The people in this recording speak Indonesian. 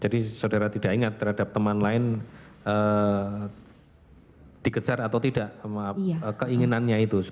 jadi saudara tidak ingat terhadap teman lain dikejar atau tidak keinginannya itu